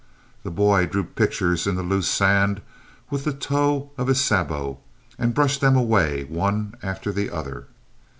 The boy drew pictures in the loose sand with the toe of his sabot and brushed them away one after the other.